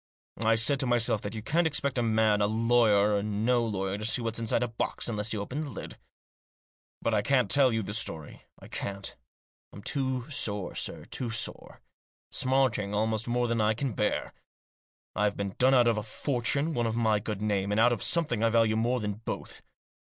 I said to myself that you can't expect a man, lawyer or no lawyer, to see what's inside a box unless you open the lid. But I can't tell you the story ; I can't. I'm too sore, sir, too sore. Smarting almost more than I can bear. I've been done out of a fortune, out of my good name, and out of something I value more than both.